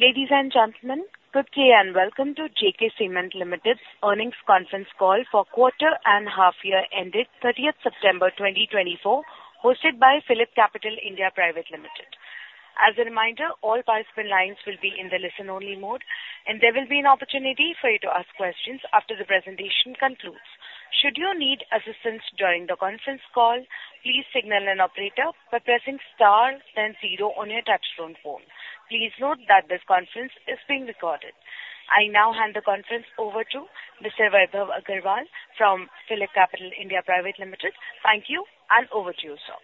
Ladies and gentlemen, good day, and welcome to JK Cement Limited's earnings conference call for quarter and half year ended thirtieth September twenty twenty-four, hosted by PhillipCapital (India) Private Limited. As a reminder, all participant lines will be in the listen-only mode, and there will be an opportunity for you to ask questions after the presentation concludes. Should you need assistance during the conference call, please signal an operator by pressing star then zero on your touchtone phone. Please note that this conference is being recorded. I now hand the conference over to Mr. Vaibhav Agarwal from PhillipCapital (India) Private Limited. Thank you, and over to you, sir.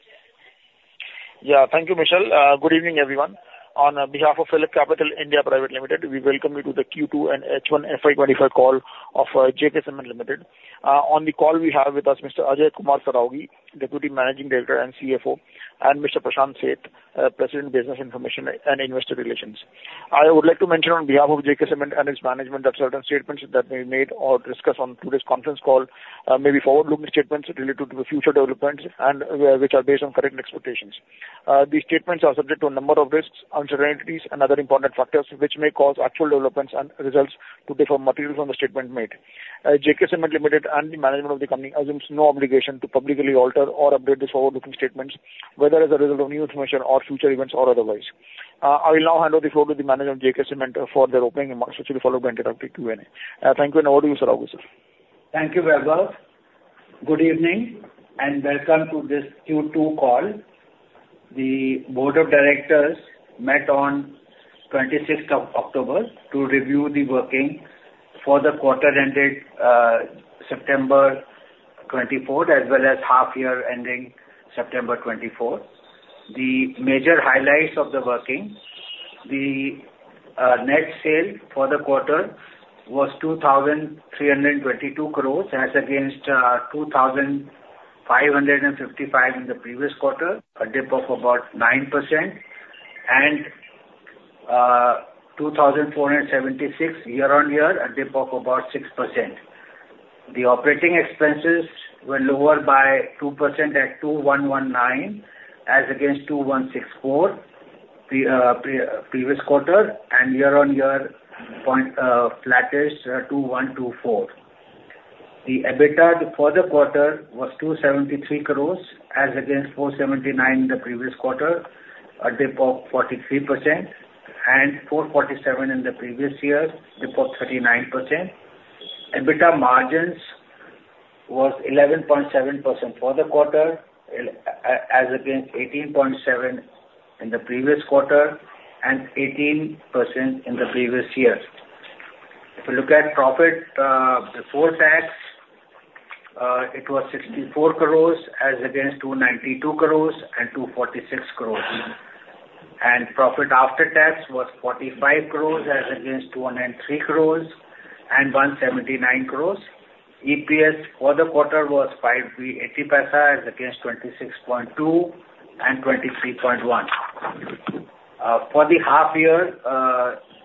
Yeah. Thank you, Michelle. Good evening, everyone. On behalf of PhillipCapital (India) Private Limited, we welcome you to the Q2 and H1 FY 2025 call of JK Cement Limited. On the call we have with us Mr. Ajay Kumar Saraogi, Deputy Managing Director and CFO, and Mr. Prashant Seth, President, Business Information and Investor Relations. I would like to mention on behalf of JK Cement and its management that certain statements that may be made or discussed on today's conference call may be forward-looking statements related to the future developments and which are based on current expectations. These statements are subject to a number of risks, uncertainties, and other important factors, which may cause actual developments and results to differ materially from the statement made. JK Cement Limited and the management of the company assumes no obligation to publicly alter or update these forward-looking statements, whether as a result of new information or future events or otherwise. I will now hand over the floor to the manager of JK Cement for their opening remarks, which will be followed by interactive Q&A. Thank you, and over to you, Saraogi sir. Thank you, Vaibhav. Good evening, and welcome to this Q2 call. The board of directors met on twenty-sixth of October to review the working for the quarter ended September twenty-fourth, as well as half year ending September twenty-fourth. The major highlights of the workings: The net sale for the quarter was 2,322 crores as against 2,555 in the previous quarter, a dip of about 9%, and 2,476 year on year, a dip of about 6%. The operating expenses were lower by 2% at 2,119 as against 2,164, the previous quarter, and year on year, flattish, 2,124. The EBITDA for the quarter was 273 crores, as against 479 in the previous quarter, a dip of 43%, and 447 in the previous year, dip of 39%. EBITDA margins was 11.7% for the quarter, as against 18.7 in the previous quarter and 18% in the previous year. If you look at profit before tax, it was 64 crores as against 292 crores and 246 crores, and profit after tax was 45 crores as against 203 crores and 179 crores. EPS for the quarter was 5.80 against 26.2 and 23.1. For the half year,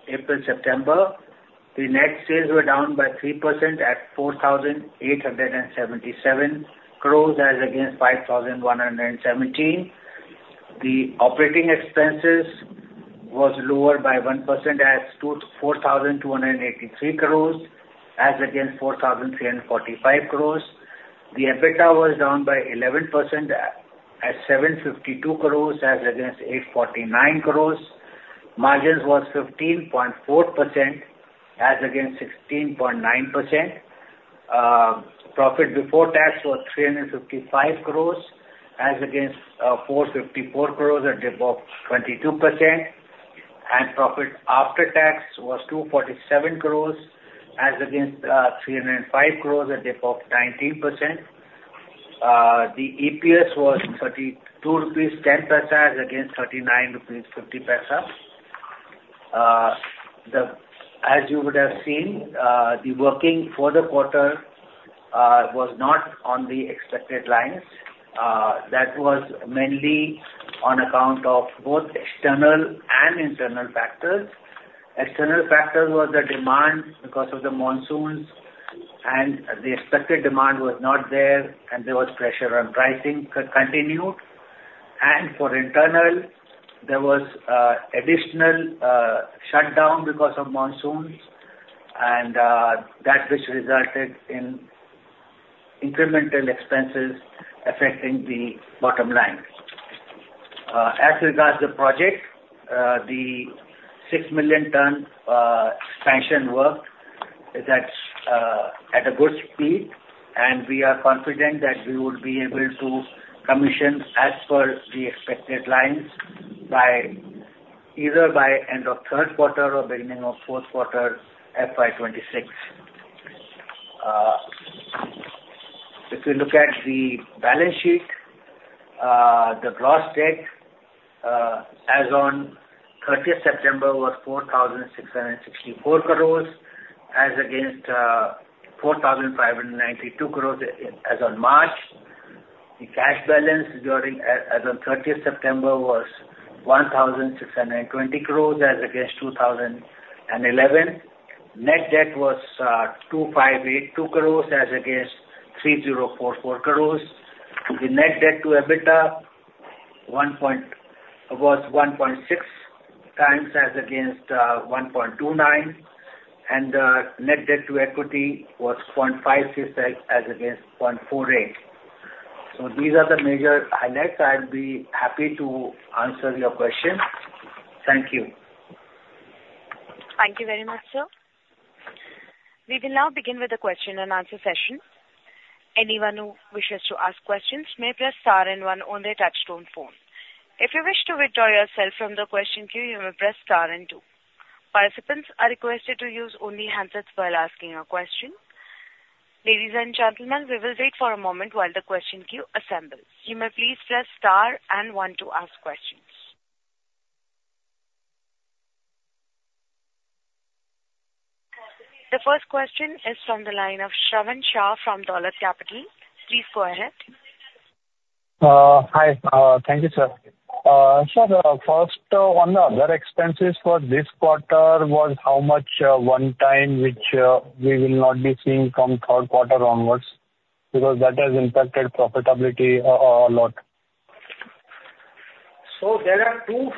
April, September, the net sales were down by 3% at 4,877 crores, as against 5,117. The operating expenses was lower by 1% at 24,283 crores, as against 4,345 crores. The EBITDA was down by 11% at 752 crores, as against 849 crores. Margins was 15.4%, as against 16.9%. Profit before tax was 355 crores, as against 454 crores, a dip of 22%. And profit after tax was 247 crores, as against 305 crores, a dip of 19%. The EPS was 32.10 rupees, against 39.50 rupees. As you would have seen, the working for the quarter was not on the expected lines. That was mainly on account of both external and internal factors. External factor was the demand because of the monsoons, and the expected demand was not there, and there was pressure on pricing continued. For internal, there was additional shutdown because of monsoons and that which resulted in incremental expenses affecting the bottom line. As regards the project, the six million ton expansion work, that's at a good speed, and we are confident that we will be able to commission as per the expected lines by either end of third quarter or beginning of fourth quarter, FY 2026. If you look at the balance sheet, the gross debt as on thirtieth September was 4,664 crores as against 4,592 crores as on March. The cash balance as on 30th September was 1,620 crores, as against 2,011 crores. Net debt was 2,582 crores as against 3,044 crores. The net debt to EBITDA was 1.6 times as against 1.29, and net debt to equity was 0.56 as against 0.48. So these are the major highlights. I'll be happy to answer your questions. Thank you. Thank you very much, sir. We will now begin with the question and answer session. Anyone who wishes to ask questions may press star and one on their touchtone phone. If you wish to withdraw yourself from the question queue, you may press star and two. Participants are requested to use only handsets while asking a question. Ladies and gentlemen, we will wait for a moment while the question queue assembles. You may please press star and one to ask questions. The first question is from the line of Shravan Shah from Dolat Capital. Please go ahead. Hi. Thank you, sir. Sir, first, on the other expenses for this quarter, was how much one time, which we will not be seeing from third quarter onwards, because that has impacted profitability a lot? There are two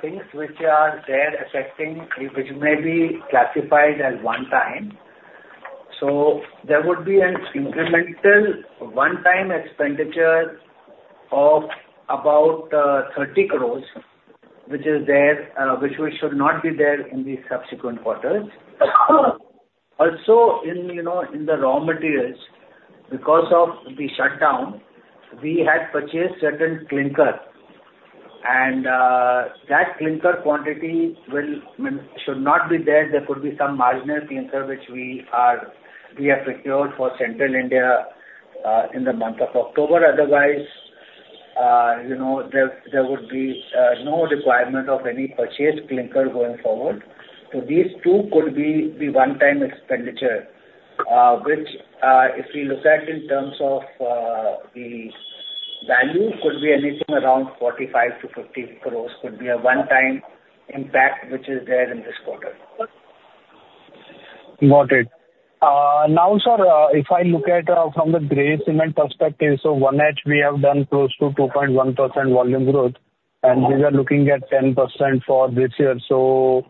things which are there affecting, which may be classified as one-time. There would be an incremental one-time expenditure of about 30 crores, which is there, which we should not be there in the subsequent quarters. Also, you know, in the raw materials, because of the shutdown, we had purchased certain clinker, and that clinker quantity should not be there. There could be some marginal clinker, which we have procured for Central India in the month of October. Otherwise, you know, there would be no requirement of any purchased clinker going forward. These two could be the one-time expenditure, which, if we look at in terms of the value, could be anything around 45-50 crores, could be a one-time impact, which is there in this quarter. Got it. Now, sir, if I look at from the grey cement perspective, so 1H, we have done close to 2.1% volume growth, and we were looking at 10% for this year. So,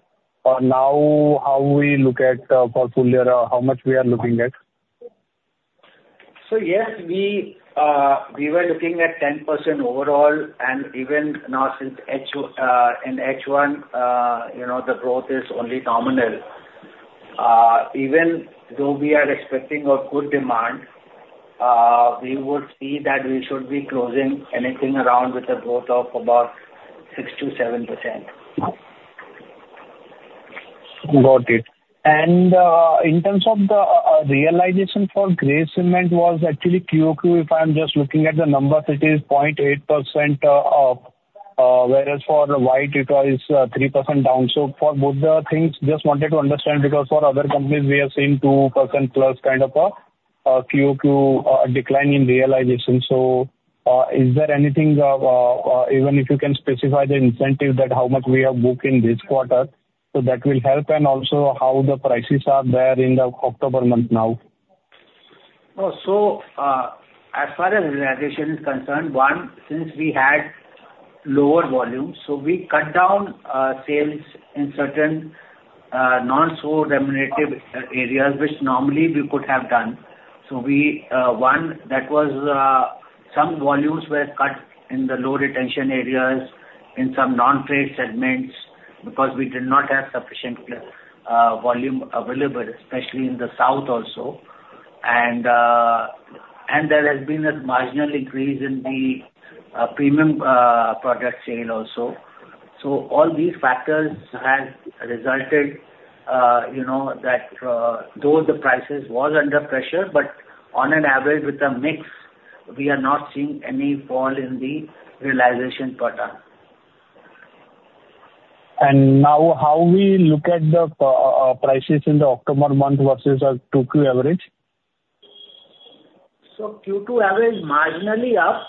now how we look at portfolio, how much we are looking at? So yes, we, we were looking at 10% overall, and even now, since H- in H1, you know, the growth is only nominal. Even though we are expecting a good demand, we would see that we should be closing anything around with a growth of about 6%-7%. Got it. And, in terms of the, realization for grey cement was actually QOQ, if I'm just looking at the numbers, it is 0.8% up, whereas for the white, it was, 3% down. So for both the things, just wanted to understand, because for other companies, we are seeing 2%+ kind of a, QOQ, decline in realization. So, is there anything, even if you can specify the incentive, that how much we have booked in this quarter, so that will help, and also how the prices are there in the October month now? Oh, so, as far as realization is concerned, one, since we had lower volumes, so we cut down sales in certain non-so remunerative areas, which normally we could have done. So we, one, that was, some volumes were cut in the low retention areas, in some non-trade segments, because we did not have sufficient volume available, especially in the south also. And there has been a marginal increase in the premium product sale also. So all these factors have resulted, you know, that, though the prices was under pressure, but on an average with the mix, we are not seeing any fall in the realization quarter. Now, how we look at the prices in the October month versus our Q2 average? So Q2 average, marginally up,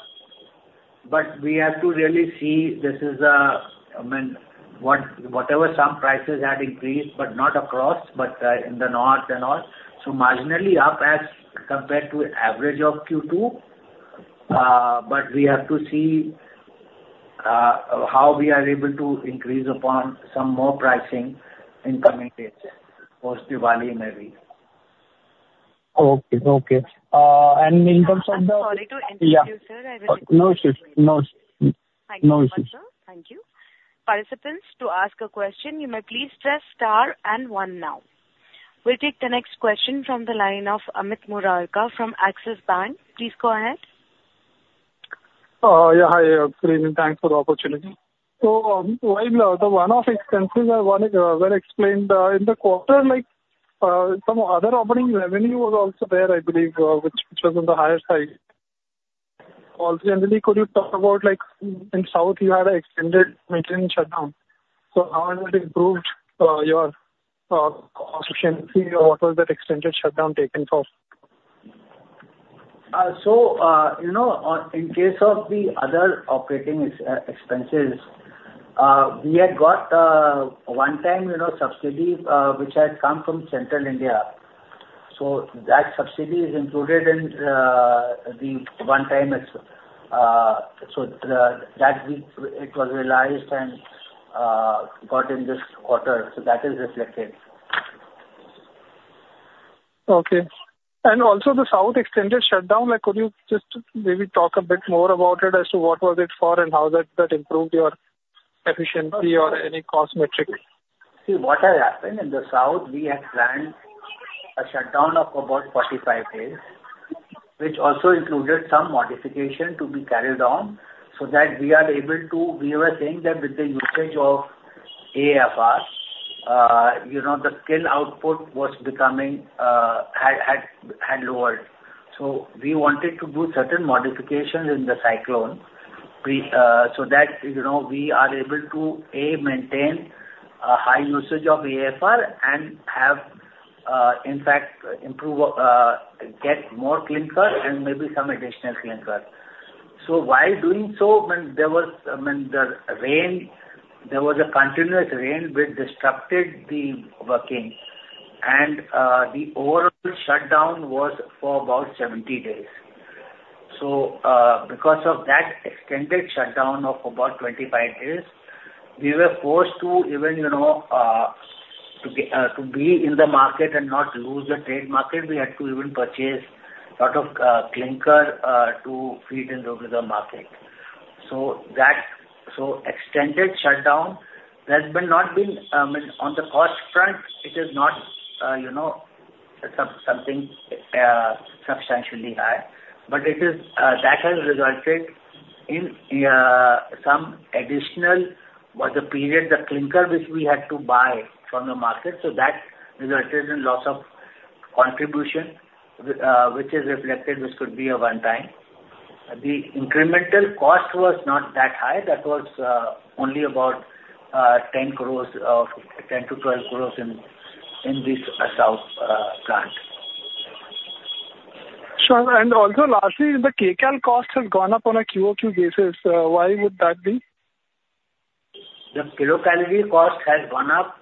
but we have to really see. This is, I mean, whatever some prices had increased, but not across, but in the north and all. So marginally up as compared to average of Q2, but we have to see how we are able to increase upon some more pricing in coming days, post-Diwali, maybe. Okay, okay. And in terms of the- I'm sorry to interrupt you, sir. Yeah. No issues. No issues. Thank you, sir. Thank you. Participants, to ask a question, you may please press star and one now. We'll take the next question from the line of Amit Morarka from Axis Bank. Please go ahead. Yeah, hi, good evening. Thanks for the opportunity. So, while the one-off expenses were explained in the quarter, like, some other operating revenue was also there, I believe, which was on the higher side. Also, generally, could you talk about, like, in South, you had an extended maintenance shutdown, so how has it improved your efficiency, or what was that extended shutdown taken for?... So, you know, in case of the other operating expenses, we had got one time, you know, subsidy, which had come from Central India. So that subsidy is included in the one time expense, so that it was realized and got in this quarter, so that is reflected. Okay. And also the South extended shutdown, like could you just maybe talk a bit more about it as to what was it for and how that improved your efficiency or any cost metric? See, what has happened in the South India, we had planned a shutdown of about 45 days, which also included some modification to be carried on, so that we are able to, we were saying that with the usage of AFR, you know, the scale output was becoming, had lowered. So we wanted to do certain modifications in the cyclone preheater, so that, you know, we are able to, A, maintain a high usage of AFR and have, in fact, improve, get more clinker and maybe some additional clinker. So while doing so, when there was, I mean, the rain, there was a continuous rain which disrupted the working, and, the overall shutdown was for about 70 days. Because of that extended shutdown of about 25 days, we were forced to even, you know, to get to be in the market and not lose the trade market, we had to even purchase lot of clinker to feed into the market. That extended shutdown has not been on the cost front, it is not, you know, something substantially high, but that has resulted in some additional, or the period, the clinker which we had to buy from the market, so that resulted in loss of contribution which is reflected, which could be a one-time. The incremental cost was not that high. That was only about 10-12 crore in this south plant. Sure. And also, lastly, the kcal cost has gone up on a QOQ basis. Why would that be? The kilocalorie cost has gone up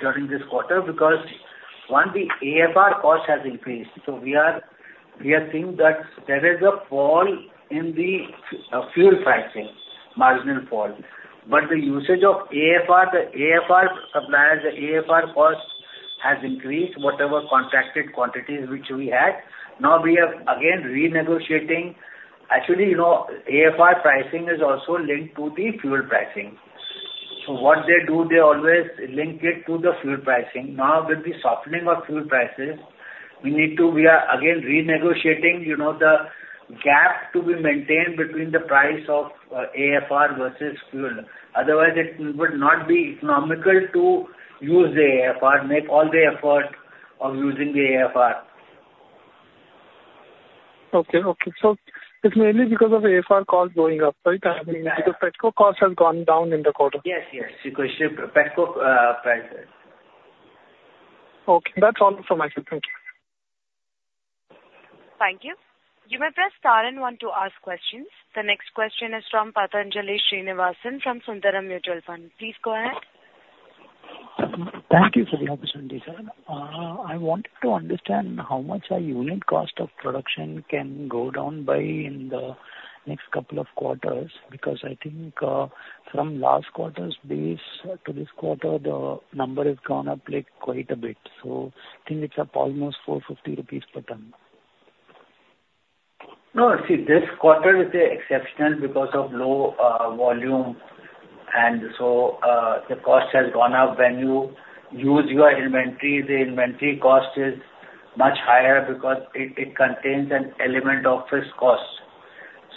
during this quarter because, one, the AFR cost has increased, so we are seeing that there is a fall in the fuel pricing, marginal fall. But the usage of AFR, the AFR suppliers, the AFR cost has increased, whatever contracted quantities which we had. Now we are again renegotiating. Actually, you know, AFR pricing is also linked to the fuel pricing. So what they do, they always link it to the fuel pricing. Now, with the softening of fuel prices, we need to, we are again renegotiating, you know, the gap to be maintained between the price of, AFR versus fuel. Otherwise, it would not be economical to use the AFR, make all the effort of using the AFR. Okay, okay, so it's mainly because of AFR costs going up, right? Because petcoke costs have gone down in the quarter. Yes, yes, because petcoke prices. Okay, that's all from my side. Thank you. Thank you. You may press star and one to ask questions. The next question is from Patanjali Srinivasan, from Sundaram Mutual Fund. Please go ahead. Thank you for the opportunity, sir. I wanted to understand how much our unit cost of production can go down by in the next couple of quarters, because I think, from last quarter's base to this quarter, the number has gone up, like, quite a bit. So I think it's up almost 450 rupees per ton. No, see, this quarter is exceptional because of low volume, and so the cost has gone up. When you use your inventory, the inventory cost is much higher because it contains an element of fixed costs.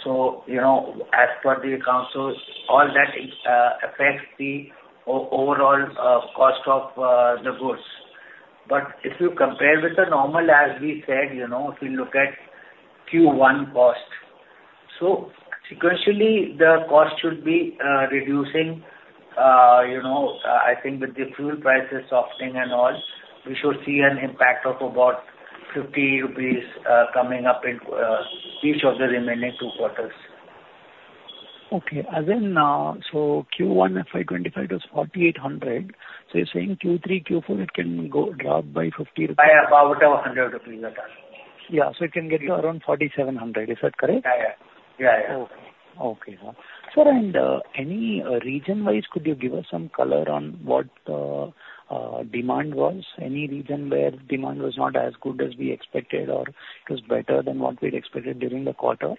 So, you know, as per the accounts, so all that affects the overall cost of the goods. But if you compare with the normal, as we said, you know, if you look at Q1 cost, so sequentially, the cost should be reducing. You know, I think with the fuel prices softening and all, we should see an impact of about fifty rupees coming up in each of the remaining two quarters. Okay. As in, so Q1, FY 2025, it was 4,800. So you're saying Q3, Q4, it can go drop by 50? Yeah, yeah, about 100 rupees a ton. Yeah, so it can get to around 4,700. Is that correct? Yeah, yeah. Yeah, yeah. Okay. Okay, sir. Sir, and, any, region-wise, could you give us some color on what the demand was? Any region where demand was not as good as we expected, or it was better than what we'd expected during the quarter?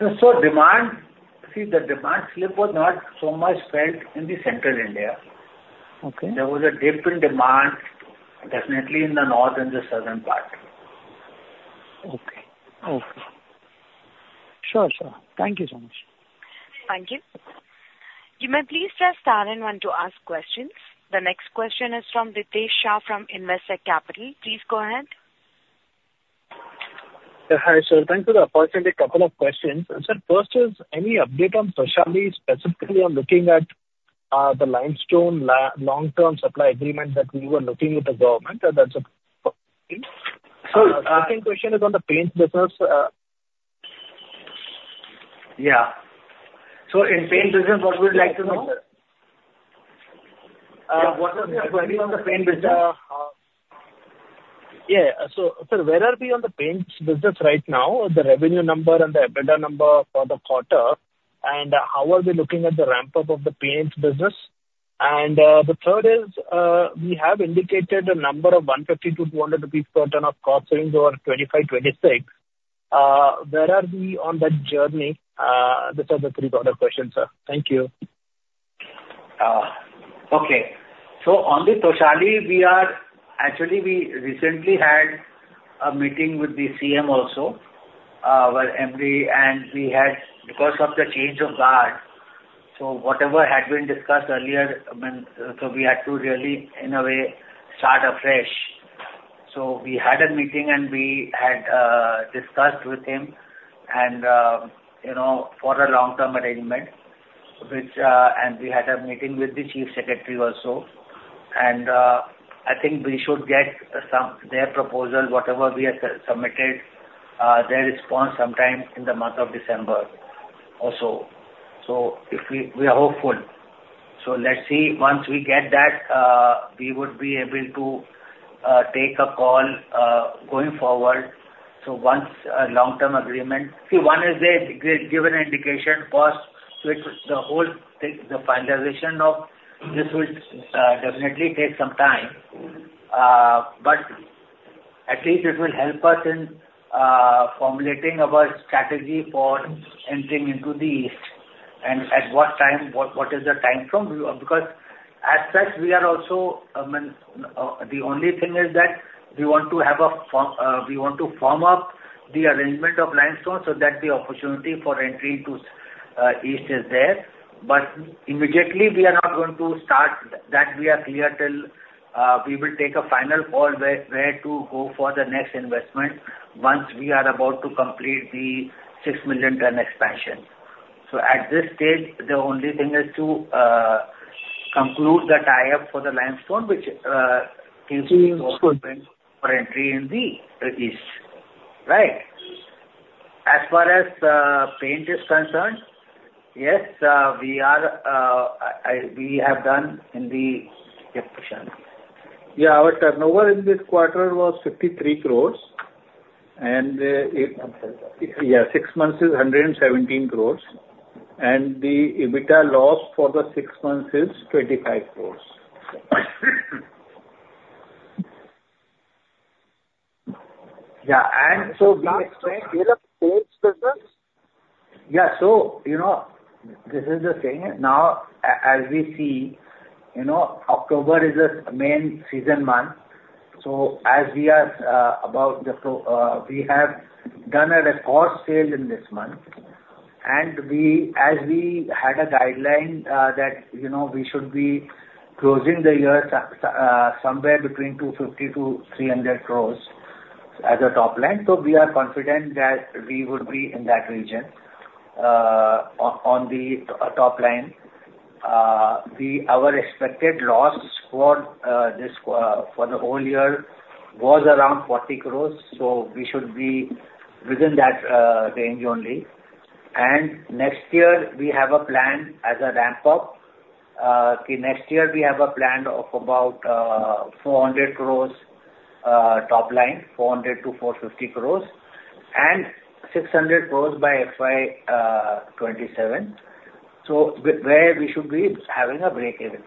Demand... see, the demand slip was not so much felt in Central India. Okay. There was a dip in demand, definitely in the north and the southern part. Okay. Okay. Sure, sir. Thank you so much. Thank you. You may please press star and one to ask questions. The next question is from Ritesh Shah, from Investec Capital. Please go ahead. Hi, sir. Thanks for the opportunity. A couple of questions. Sir, first is, any update on Toshali, specifically on looking at, the limestone long term supply agreement that we were looking with the government, that's a- So, uh- Second question is on the paint business. Yeah. So in paint business, what we would like to know? What is happening on the paint business? Yeah. So sir, where are we on the paints business right now, the revenue number and the EBITDA number for the quarter, and how are we looking at the ramp up of the paints business? And, the third is, we have indicated a number of 150-200 rupees per ton of cost savings over 2025, 2026. Where are we on that journey? These are the three further questions, sir. Thank you. Okay. So on the Toshali, we are actually we recently had a meeting with the CM also. And we had, because of the change of guard, so whatever had been discussed earlier, so we had to really, in a way, start afresh. So we had a meeting, and we had discussed with him, and you know, for a long-term arrangement, which and we had a meeting with the chief secretary also. And I think we should get some, their proposal, whatever we have submitted, their response sometime in the month of December also. So if we, we are hopeful. So let's see. Once we get that, we would be able to take a call going forward. So once a long-term agreement. See, one is a given indication first, which the whole thing, the finalization of this will definitely take some time. But at least it will help us in formulating our strategy for entering into the east, and at what time, what is the time frame? Because as such, we are also, the only thing is that we want to firm up the arrangement of limestone so that the opportunity for entry into east is there. But immediately, we are not going to start. That we are clear till we will take a final call where to go for the next investment once we are about to complete the six million ton expansion. So at this stage, the only thing is to conclude the tie-up for the limestone, which is for entry in the east, right? As far as paint is concerned, yes, we have done in the- Yeah, our turnover in this quarter was 53 crores, and it- I'm sorry. Yeah, six months is 117 crores, and the EBITDA loss for the six months is 25 crores. Yeah, and so we- Can you explain the sales business? Yeah. So, you know, this is the thing. Now, as we see, you know, October is a main season month. So, we have done a record sale in this month, and we, as we had a guideline, that, you know, we should be closing the year, somewhere between 250-300 crores as a top line. So we are confident that we would be in that region, on the top line. Our expected loss for this for the whole year was around 40 crores, so we should be within that range only. And next year, we have a plan as a ramp up. Next year, we have a plan of about 400 crores top line, 400-450 crores, and 600 crores by FY 2027. So where we should be having a breakeven.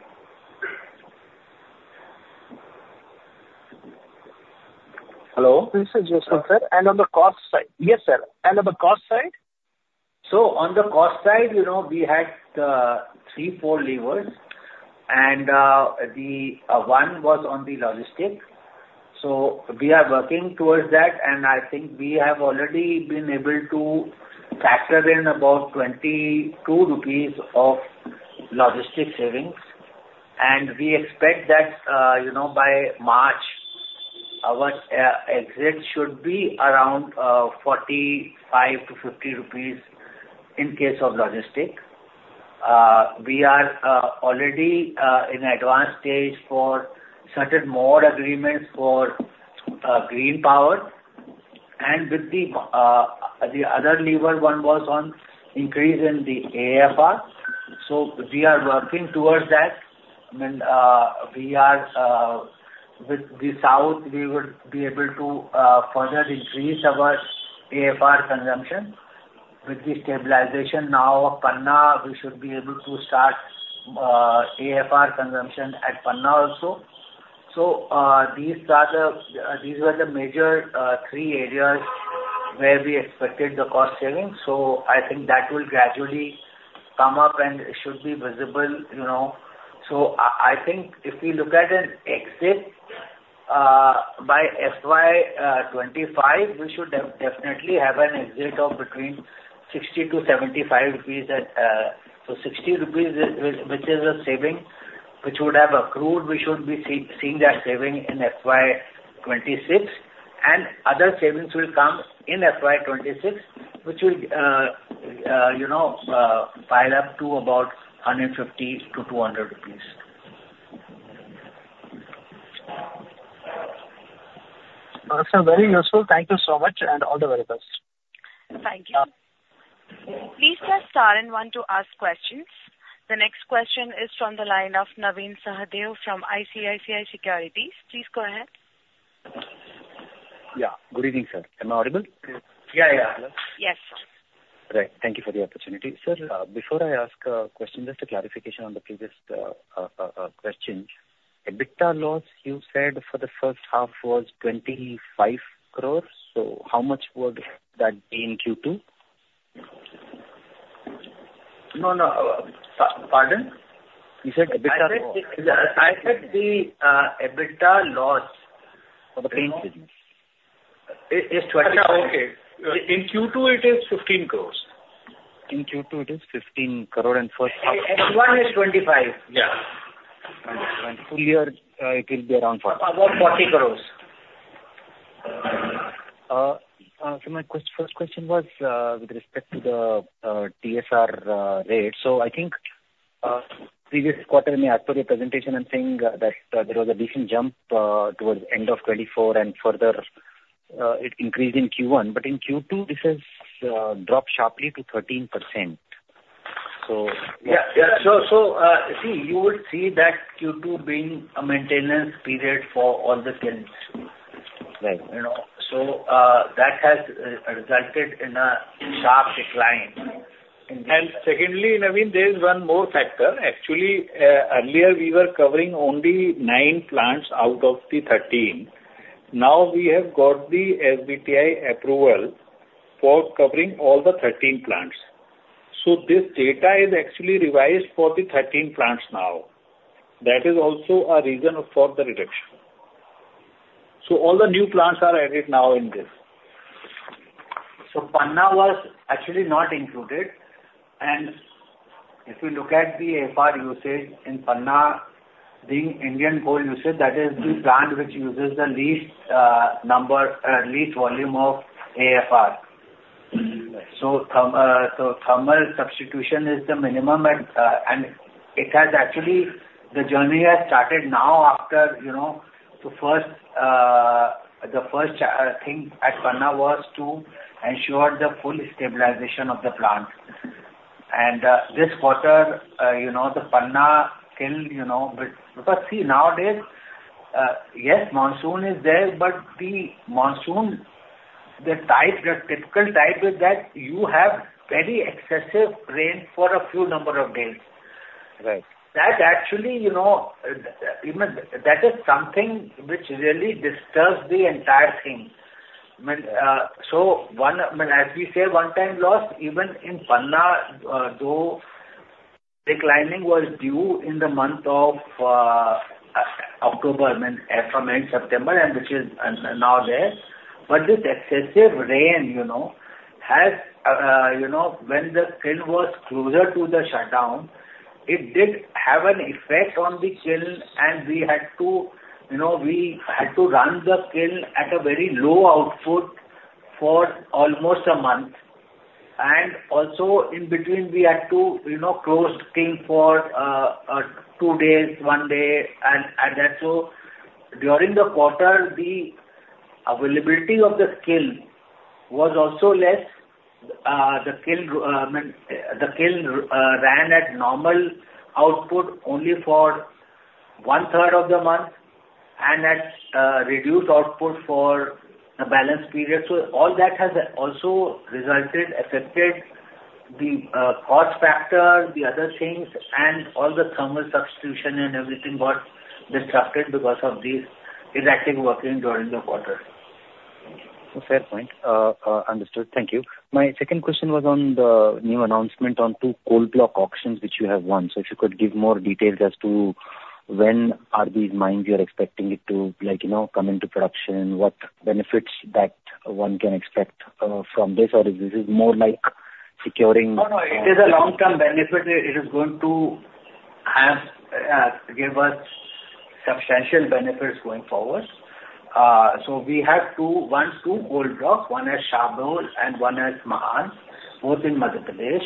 Hello? This is Joseph, sir. And on the cost side... Yes, sir. And on the cost side? On the cost side, you know, we had three, four levers, and the one was on the logistics. We are working towards that, and I think we have already been able to factor in about 22 rupees of logistics savings. We expect that, you know, by March, our exit should be around 45-50 rupees in case of logistics. We are already in advanced stage for certain more agreements for green power. With the other lever, one was on increase in the AFR. We are working towards that. I mean, we are in the south, we would be able to further increase our AFR consumption. With the stabilization now of Panna, we should be able to start AFR consumption at Panna also. These were the major three areas where we expected the cost savings. I think that will gradually come up and should be visible, you know. I think if we look at an exit by FY 2025, we should definitely have an exit of between 60-75 rupees, so 60 rupees, which is a saving which would have accrued. We should be seeing that saving in FY 2026, and other savings will come in FY 2026, which will, you know, pile up to about 150-200 rupees. Sir, very useful. Thank you so much, and all the very best. Thank you. Please press star and one to ask questions. The next question is from the line of Naveen Sahadeo from ICICI Securities. Please go ahead. Yeah. Good evening, sir. Am I audible? Yeah, yeah. Yes. Right. Thank you for the opportunity. Sir, before I ask a question, just a clarification on the previous question. EBITDA loss, you said for the first half was 25 crores, so how much would that be in Q2? No, no. Pardon? You said EBITDA loss. I said the EBITDA loss- For the previous quarter. Is twenty- Okay. In Q2, it is 15 crores. In Q2, it is 15 crore, and first half. Q1 is 25. Yeah. Full year, it will be around forty. About 40 crore. So my first question was with respect to the TSR rate. So I think previous quarter in your actual presentation, I'm seeing that there was a decent jump towards the end of 2024, and further it increased in Q1, but in Q2 this has dropped sharply to 13%. So- Yeah, yeah. So, see, you would see that Q2 being a maintenance period for all the kilns. Right. You know, so, that has resulted in a sharp decline. And secondly, Naveen, there is one more factor. Actually, earlier, we were covering only nine plants out of the 13. Now, we have got the SBTi approval for covering all the 13 plants. So this data is actually revised for the 13 plants now. That is also a reason for the reduction. So all the new plants are added now in this. So Panna was actually not included, and if you look at the AFR usage in Panna, being Indian coal usage, that is the plant which uses the least volume of AFR. Mm-hmm. So thermal substitution is the minimum, and it has actually, the journey has started now after, you know... The first thing at Panna was to ensure the full stabilization of the plant. And this quarter, you know, the Panna kiln, you know, but... Because, see, nowadays, yes, monsoon is there, but the monsoon, the type, the typical type is that you have very excessive rain for a few number of days. Right. That actually, you know, even that is something which really disturbs the entire thing. I mean, so one, I mean, as we say, one-time loss, even in Panna, though declining was due in the month of October, I mean, from end September, and which is now there. But this excessive rain, you know, has you know when the kiln was closer to the shutdown, it did have an effect on the kiln, and we had to, you know, we had to run the kiln at a very low output for almost a month. And also, in between, we had to, you know, close kiln for two days, one day, and and that's so during the quarter, the availability of the kiln was also less. The kiln ran at normal output only for one-third of the month and at reduced output for the balance period. So all that has also resulted, affected the cost factor, the other things, and all the thermal substitution and everything got disrupted because of this erratic working during the quarter. A fair point. Understood. Thank you. My second question was on the new announcement on two coal block auctions, which you have won. So if you could give more details as to when are these mines you're expecting it to, like, you know, come into production, what benefits that one can expect, from this, or if this is more like securing- No, no, it is a long-term benefit. It is going to have, give us substantial benefits going forward. So we have won two coal blocks, one at Shahdol and one at Mahan, both in Madhya Pradesh.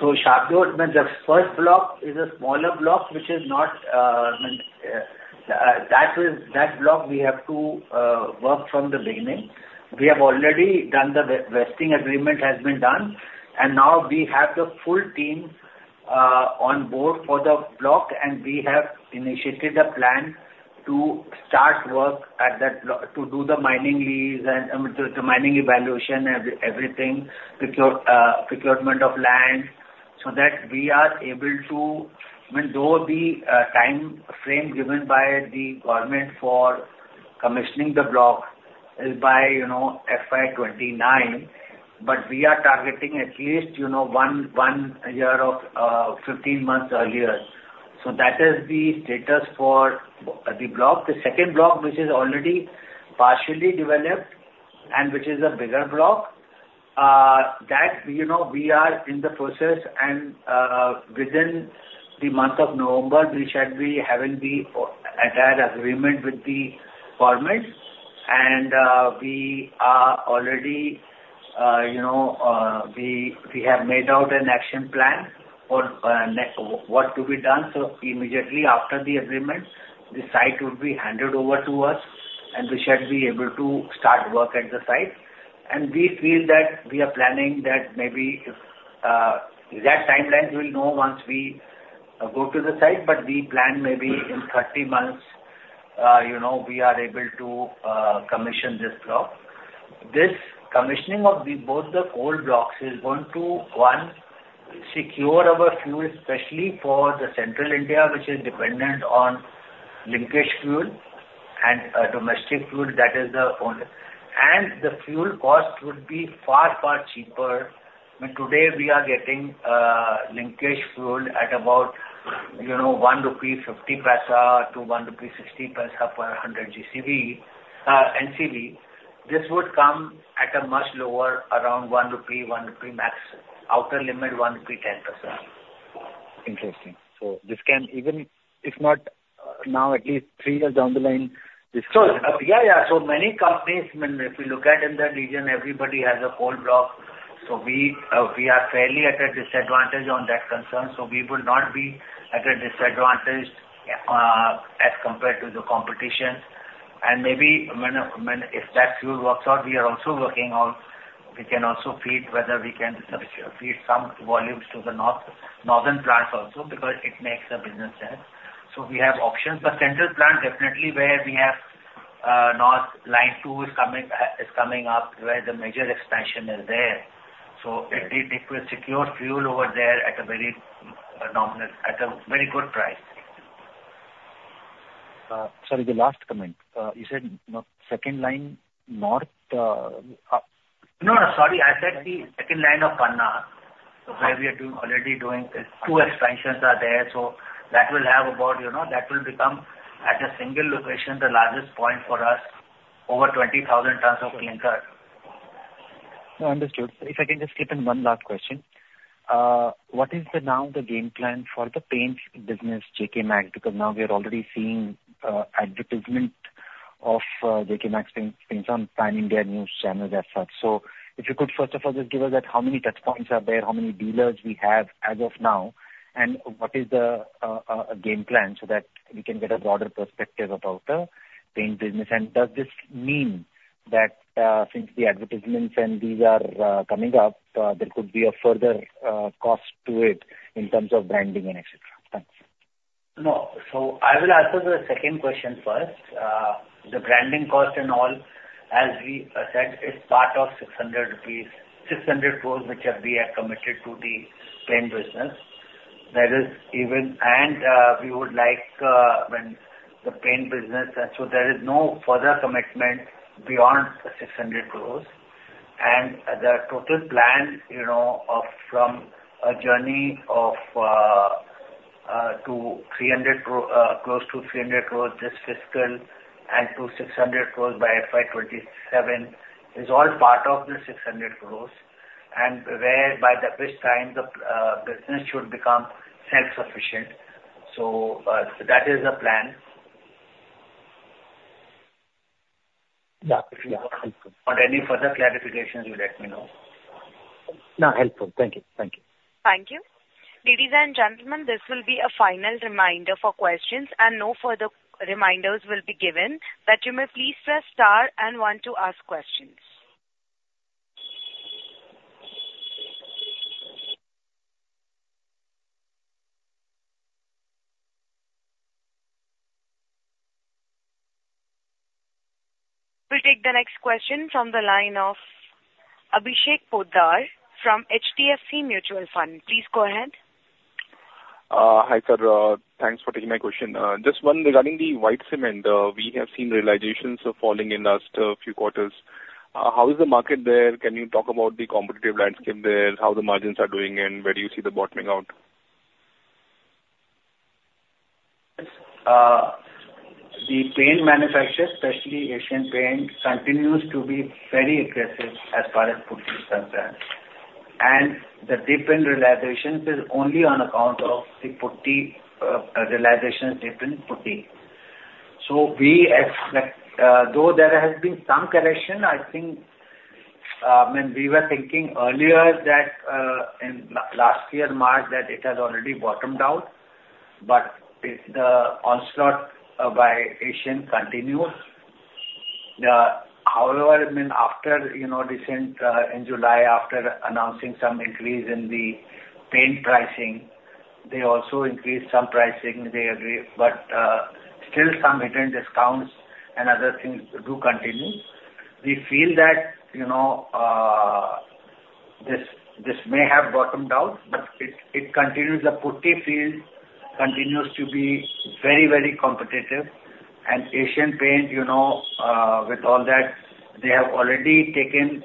So Shahdol, the first block is a smaller block, which is not. I mean, that is, that block we have to work from the beginning. We have already done the vesting agreement has been done, and now we have the full team on board for the block, and we have initiated a plan to start work at that block, to do the mining lease and the mining evaluation and everything, procurement of land, so that we are able to... I mean, though the time frame given by the government for commissioning the block is by, you know, FY 2029, but we are targeting at least, you know, one year of fifteen months earlier. So that is the status for the block. The second block, which is already partially developed and which is a bigger block, that, you know, we are in the process and within the month of November, we should be having that agreement with the government. And we are already, you know, we have made out an action plan for what to be done. So immediately after the agreement, the site will be handed over to us, and we should be able to start work at the site. We feel that we are planning that maybe exact timelines we'll know once we go to the site, but we plan maybe in 30 months, you know, we are able to commission this block. This commissioning of both the coal blocks is going to, one, secure our fuel, especially for Central India, which is dependent on linkage fuel and domestic fuel that is the only. The fuel cost would be far, far cheaper. I mean, today we are getting linkage fuel at about, you know, 1.50-1.60 rupee per 100 GCV NCV. This would come at a much lower, around 1 rupee, 1 rupee max, outer limit 1.10 rupee. Interesting. So this can even, if not now, at least three years down the line, this can- So, yeah, yeah. So many companies, if you look at in the region, everybody has a coal block. So we are fairly at a disadvantage on that concern, so we will not be at a disadvantage, as compared to the competition. And maybe if that fuel works out, we are also working on whether we can feed some volumes to the northern plants also, because it makes business sense. So we have options. But central plant, definitely where we have, north line two is coming up, where the major expansion is there. So it will secure fuel over there at a very nominal, at a very good price. Sorry, the last comment. You said, you know, second line, north, up? No, no, sorry. I said the second line of Panna, so where we are doing, already doing two expansions are there. So that will have about, you know, that will become, at a single location, the largest point for us, over twenty thousand tons of clinker. No, understood. If I can just jump in one last question. What is now the game plan for the paints business, JK Paint? Because now we are already seeing advertisement of JK Paint in some Times of India news channels as such. So if you could, first of all, just give us that how many touch points are there, how many dealers we have as of now, and what is the game plan, so that we can get a broader perspective about the paint business. And does this mean that since the advertisements and these are coming up, there could be a further cost to it in terms of branding and et cetera? Thanks. No. So I will answer the second question first. The branding cost and all, as we said, is part of 600 crores rupees, which we have committed to the paint business. That is, even and we would like when the paint business, and so there is no further commitment beyond 600 crores. And the total plan, you know, from a journey to close to 300 crores this fiscal and to 600 crores by FY 2027, is all part of the 600 crores. And by this time, the business should become self-sufficient. So, that is the plan. Yeah. Yeah, helpful. But any further clarifications, you let me know. No, helpful. Thank you. Thank you. Thank you. Ladies and gentlemen, this will be a final reminder for questions, and no further reminders will be given, that you may please press Star and One to ask questions. We'll take the next question from the line of Abhishek Poddar from HDFC Mutual Fund. Please go ahead. Hi, sir. Thanks for taking my question. Just one regarding the white cement. We have seen realizations of falling in last few quarters. How is the market there? Can you talk about the competitive landscape there, how the margins are doing, and where do you see the bottoming out? The paint manufacturer, especially Asian Paints, continues to be very aggressive as far as putty is concerned. And the dip in realizations is only on account of the putty realizations dip in putty. So we expect, though there has been some correction, I think, when we were thinking earlier that, in last year, March, that it has already bottomed out, but it, the onslaught by Asian continues. However, I mean, after, you know, recent in July, after announcing some increase in the paint pricing, they also increased some pricing. They agree, but still some hidden discounts and other things do continue. We feel that, you know, this may have bottomed out, but it continues. The putty field continues to be very, very competitive. Asian Paints, you know, with all that, they have already taken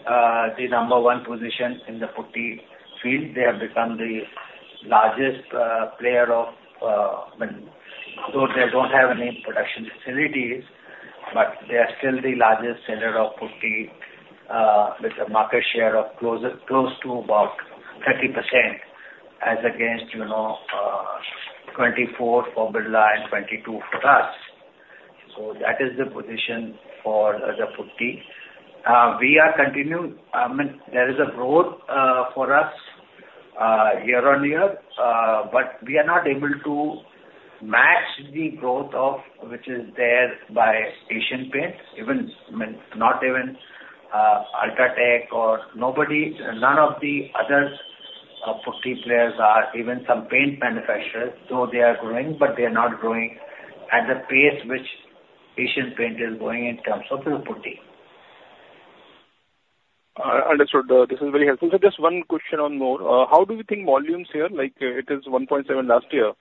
the number one position in the putty field. They have become the largest player. I mean, though they don't have any production facilities, but they are still the largest seller of putty with a market share close to about 30%, as against, you know, 24 for Birla and 22 for us. So that is the position for the putty. We are continuing, I mean, there is a growth for us year-on-year, but we are not able to match the growth of which is there by Asian Paints, even, I mean, not even UltraTech or nobody, none of the other putty players are even some paint manufacturers, so they are growing, but they are not growing at the pace which Asian Paints is growing in terms of the putty. Understood. This is very helpful. So just one question on more. How do we think volumes here, like it is one point seven last year?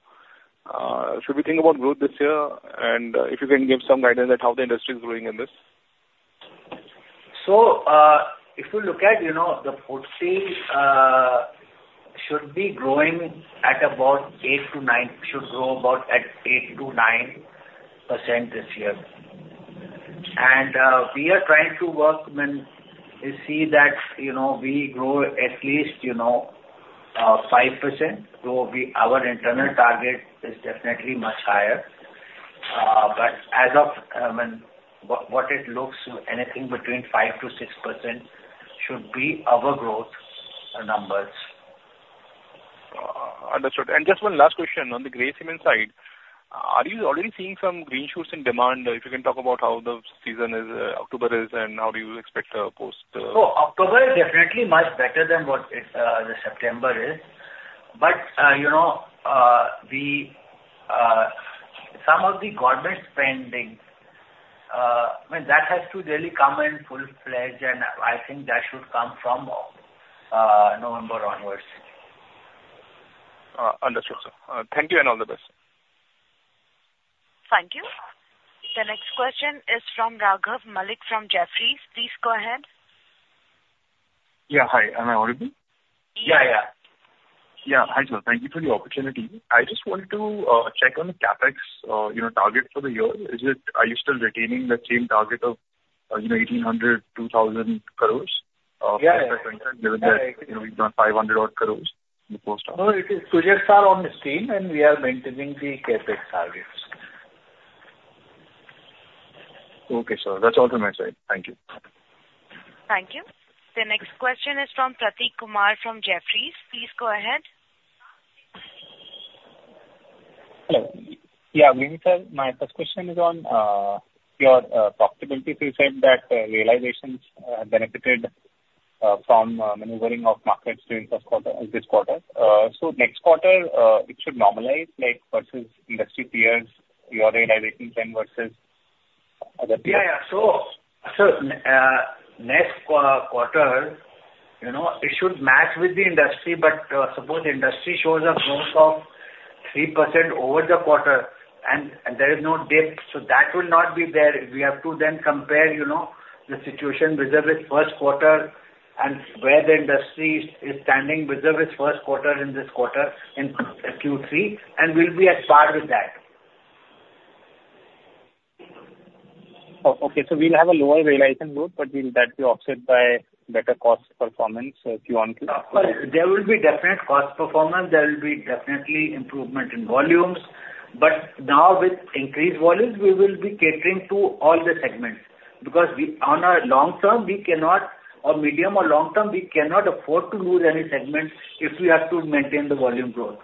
Should we think about growth this year? And, if you can give some guidance on how the industry is growing in this. So, if you look at, you know, the putty should be growing at about eight to nine, should grow about at 8-9% this year. We are trying to work when we see that, you know, we grow at least, you know, 5%, so our internal target is definitely much higher. But as of, I mean, what it looks, anything between 5-6% should be our growth numbers. Understood. And just one last question on the gray cement side. Are you already seeing some green shoots in demand? If you can talk about how the season is, October is, and how do you expect, post, So October is definitely much better than what it, the September is. But, you know, the, some of the government spending, I mean, that has to really come in full-fledged, and I think that should come from, November onwards. Understood, sir. Thank you and all the best. Thank you. The next question is from Raghav Malik, from Jefferies. Please go ahead. Yeah. Hi, am I audible? Yeah, yeah. Yeah. Hi, sir, thank you for the opportunity. I just wanted to check on the CapEx, your target for the year. Is it, are you still retaining the same target of, you know, 1,800-2,000 crores of- Yeah, yeah. Given that, you know, we've done 500 odd crores before- No, it is. Projects are on stream, and we are maintaining the CapEx targets. Okay, sir. That's all from my side. Thank you. Thank you. The next question is from Pratik Kumar from Jefferies. Please go ahead. Hello. Yeah, good evening, sir. My first question is on your profitability. You said that realizations benefited from maneuvering of markets during first quarter this quarter. So next quarter it should normalize, like, versus industry peers, your realization trend versus other- Yeah, yeah. So next quarter, you know, it should match with the industry, but suppose the industry shows a growth of 3% over the quarter, and there is no dip, so that will not be there. We have to then compare, you know, the situation vis-à-vis first quarter and where the industry is standing vis-à-vis first quarter in this quarter, in Q3, and we'll be at par with that. Okay, so we'll have a lower realization growth, but will that be offset by better cost performance in Q1? There will be definite cost performance. There will be definitely improvement in volumes, but now with increased volumes, we will be catering to all the segments, because we, on our long term, we cannot or medium or long term, we cannot afford to lose any segments if we have to maintain the volume growth.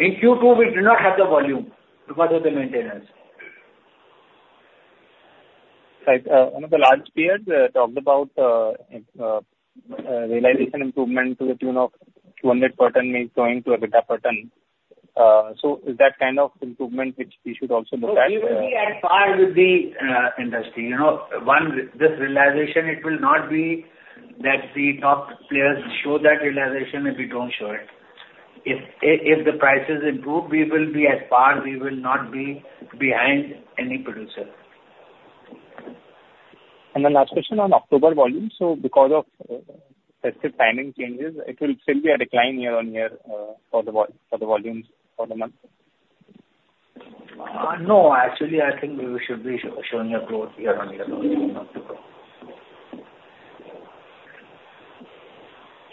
In Q2, we do not have the volume to further the maintenance. Right. One of the large peers, realization improvement to the tune of 200 per ton, going to a better per ton. So is that kind of improvement which we should also look at? We will be at par with the industry. You know, one, this realization, it will not be that the top players show that realization, and we don't show it. If the prices improve, we will be at par. We will not be behind any producer. And then last question on October volumes. So because of festive timing changes, it will still be a decline year-on-year for the volumes for the month? No, actually, I think we should be showing a growth year-on-year.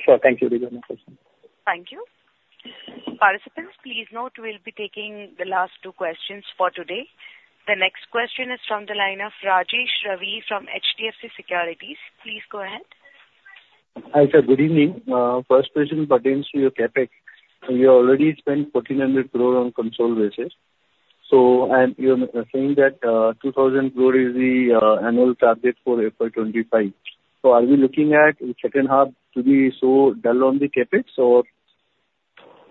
Sure. Thank you. These are my questions. Thank you. Participants, please note we'll be taking the last two questions for today. The next question is from the line of Rajesh Ravi from HDFC Securities. Please go ahead. Hi, sir. Good evening. First question pertains to your Capex. You already spent 1,400 crore on consolidated basis, so you're saying that 2,000 crore is the annual target for April 2025. So are we looking at the second half to be so dull on the Capex or?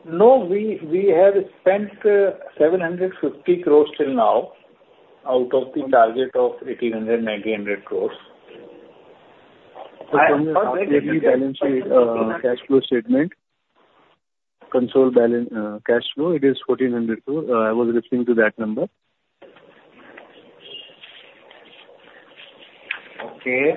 No, we have spent 750 crores till now out of the target of 1,800-1,900 crores. Cash flow statement, consolidated balance, cash flow, it is 1,400 crore. I was referring to that number.... Okay.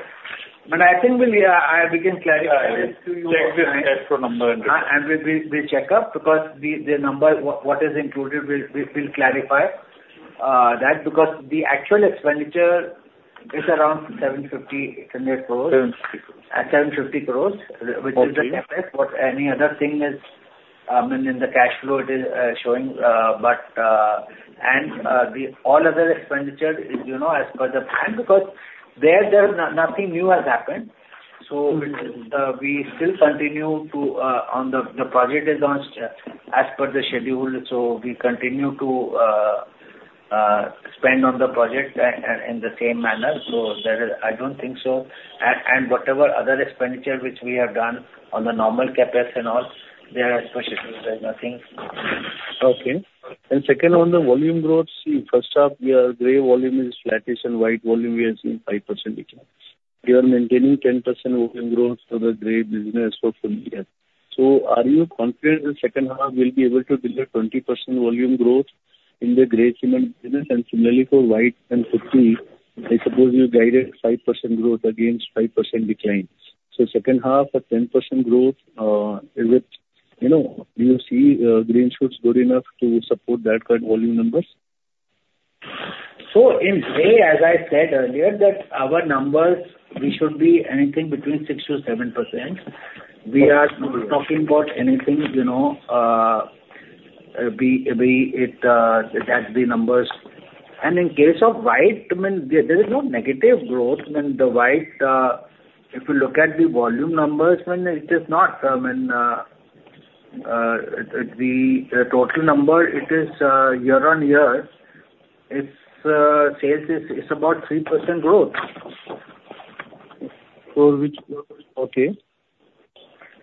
But I think we'll, yeah, I, we can clarify to you- The existing cash flow number. And we will check up, because the number, what is included, we will clarify that, because the actual expenditure is around 750 crores. INR 750 crores. INR 750 crores, which is the CapEx, but any other thing is in the cash flow. It is showing, and all other expenditure is, you know, as per the plan, because there's nothing new has happened. Mm-hmm. So, we still continue to on the project. The project is on schedule as per the schedule, so we continue to spend on the project in the same manner. So there is... I don't think so, and whatever other expenditure which we have done on the normal CapEx and all, they are as per schedule. There's nothing. Okay. And second, on the volume growth, see, first off, your grey volume is flattish and white volume we are seeing 5% decline. You are maintaining 10% volume growth for the grey business for full year. So are you confident the second half will be able to deliver 20% volume growth in the grey cement business, and similarly for white and putty? I suppose you guided 5% growth against 5% decline. So second half, a 10% growth, is it, you know, do you see green shoots good enough to support that kind of volume numbers? So in grey, as I said earlier, that our numbers, we should be anything between 6%-7%. We are not talking about anything, you know, that's the numbers. And in case of white, I mean, there is no negative growth. I mean, the white, if you look at the volume numbers, I mean, it is not. I mean, it, the total number, it is, year on year, it's sales is about 3% growth. For which... Okay.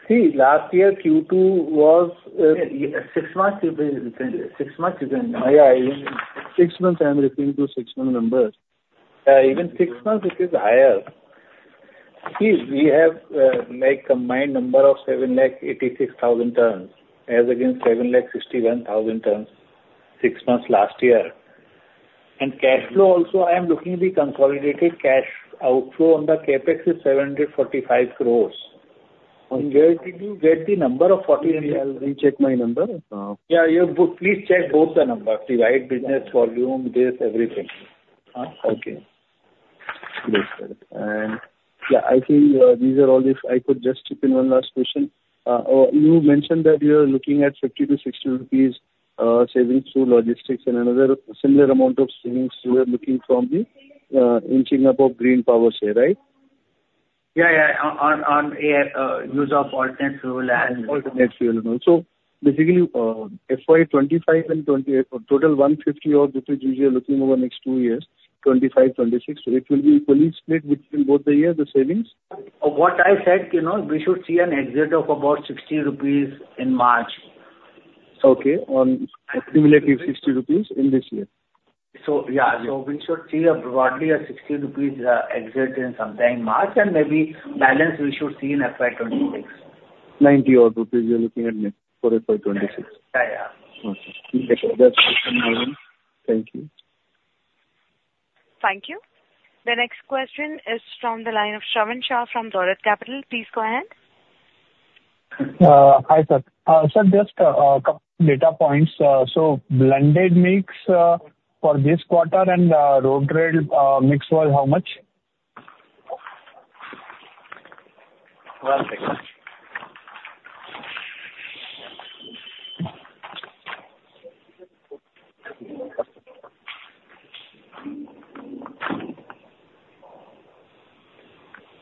See, last year, Q2 was, Yeah, six months is an- Yeah, six months, I am referring to six-month numbers. Even six months it is higher. See, we have, like combined number of 7 lakh 86 thousand tons, as against 7 lakh 61 thousand tons, six months last year, and cash flow also, I am looking at the consolidated cash outflow on the CapEx is 745 crores. Where did you get the number of forty? I'll recheck my number. Yeah, you please check both the numbers, the white business volume, this, everything. Okay. Let's check. Yeah, I think these are all the... I could just chip in one last question. You mentioned that you are looking at 50-60 rupees savings through logistics and another similar amount of savings you are looking from the inching above green power save, right? Yeah, yeah. On use of alternate fuel and- Alternative fuel. So basically, FY 2025 and 2026 total 150 odd, which is, you are looking over the next two years, 2025, 2026, so it will be equally split between both the years, the savings? What I said, you know, we should see an exit of about 60 rupees in March. Okay, on cumulative 60 rupees in this year. So, yeah. Yeah. So we should see, broadly, a 60 rupees exit sometime March, and maybe balance we should see in FY 2026. 90-odd rupees you're looking at next, for FY 2026. Yeah, yeah. Okay. That's thank you. Thank you. The next question is from the line of Shravan Shah from Dolat Capital. Please go ahead. Hi, sir. Sir, just a couple data points. So blended mix for this quarter and road, rail mix was how much? One second.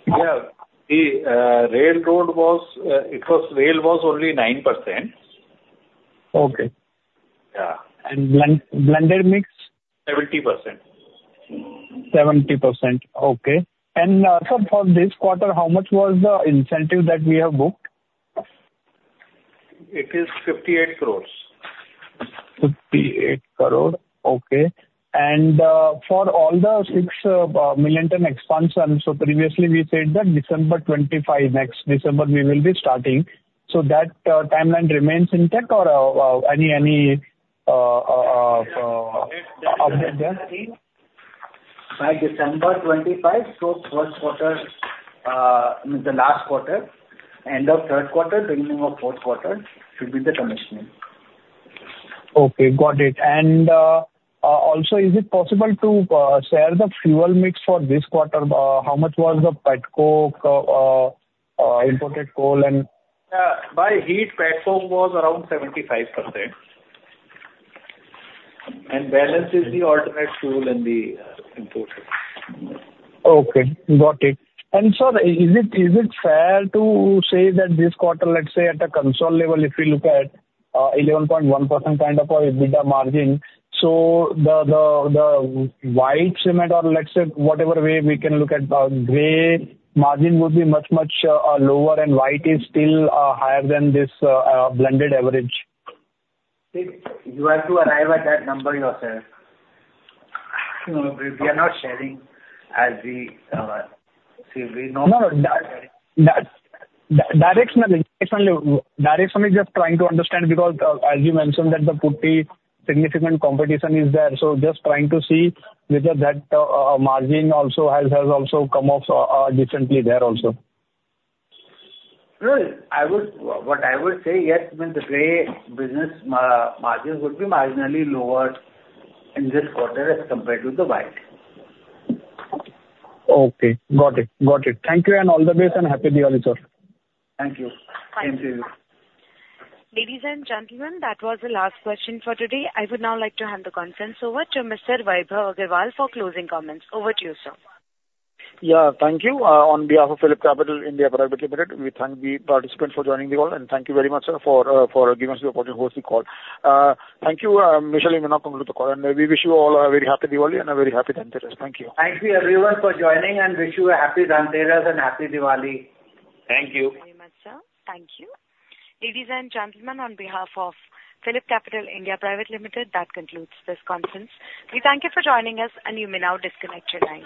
Yeah, the rail road was. It was rail only 9%. Okay. Yeah. And blended mix? Seventy percent. 70%, okay. And, sir, for this quarter, how much was the incentive that we have booked? It is 58 crores. Fifty-eight crore, okay. And for all the six million ton expansion, so previously we said that December twenty-five, next December we will be starting. So that timeline remains intact or update there? By December twenty-five, so first quarter, the last quarter, end of third quarter, beginning of fourth quarter, should be the commissioning. Okay, got it. And, also, is it possible to share the fuel mix for this quarter? How much was the petcoke, imported coal, and- By heat, petcoke was around 75%, and the balance is the alternate fuel and the imported. Okay, got it. And sir, is it fair to say that this quarter, let's say, at a consolidated level, if we look at 11.1% kind of a EBITDA margin, so the white cement or let's say, whatever way we can look at grey margin would be much lower and white is still higher than this blended average? You have to arrive at that number yourself. We are not sharing as we know- No, that directionally just trying to understand because, as you mentioned, that the putty, significant competition is there. So just trying to see whether that margin also has also come off decently there also. No. What I would say, yes, I mean, the gray business margins would be marginally lower in this quarter as compared to the white. Okay, got it. Got it. Thank you, and all the best, and Happy Diwali to you. Thank you. Thank you. Ladies and gentlemen, that was the last question for today. I would now like to hand the conference over to Mr. Vaibhav Agarwal for closing comments. Over to you, sir. Yeah, thank you. On behalf of PhillipCapital (India) Private Limited, we thank the participants for joining the call, and thank you very much, sir, for giving us the opportunity to host the call. Thank you, Michelle, and conclude the call. We wish you all a very happy Diwali and a very happy Dhanteras. Thank you. Thank you everyone for joining, and wish you a happy Dhanteras and happy Diwali. Thank you. Thank you very much, sir. Thank you. Ladies and gentlemen, on behalf of PhillipCapital (India) Private Limited, that concludes this conference. We thank you for joining us, and you may now disconnect your lines.